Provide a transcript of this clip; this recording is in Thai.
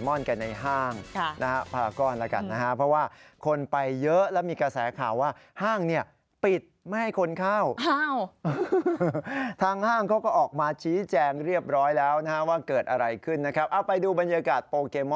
มองผ่านแอป